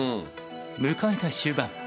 迎えた終盤。